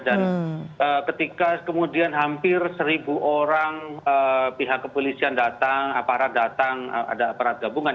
dan ketika kemudian hampir seribu orang pihak kepolisian datang aparat datang ada aparat gabungan